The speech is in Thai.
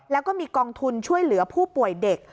แล้วก็มีกองทุนช่วยเหลือผู้ป่วยเด็ก